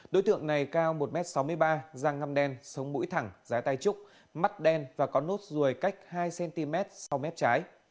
đối tượng này cao một m sáu mươi ba giang ngâm đen sống mũi thẳng giá tay trúc mắt đen và có nốt ruồi cách hai cm sau mép trái